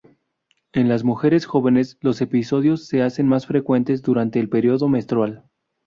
En las mujeres jóvenes los episodios se hacen más frecuentes durante el período menstrual.